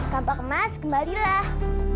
kampak emas kembalilah